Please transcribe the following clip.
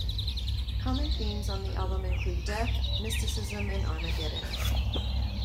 Common themes on the album include death, mysticism, and armageddon.